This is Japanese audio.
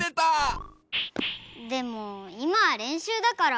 でもいまはれんしゅうだから。